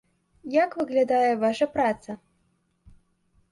Як выглядае ваша праца?